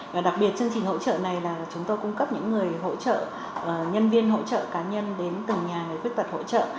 và đặc biệt chương trình hỗ trợ này là chúng tôi cung cấp những người hỗ trợ nhân viên hỗ trợ cá nhân đến từng nhà người khuyết tật hỗ trợ